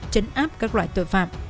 chấn áp các loại tội phạm